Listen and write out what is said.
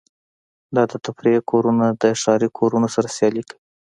دا د تفریح کورونه د ښاري کورونو سره سیالي کوي